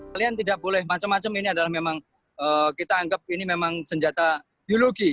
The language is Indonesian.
kalian tidak boleh macam macam ini adalah memang kita anggap ini memang senjata biologi